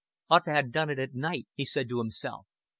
"Ought to 'a' done it at night," he said to himself.